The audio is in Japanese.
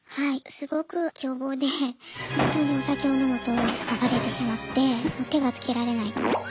すごく凶暴でほんとにお酒を飲むと暴れてしまってもう手がつけられないと。